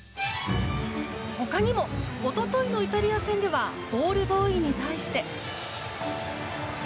他にも、一昨日のイタリア戦ではボールボーイに対して。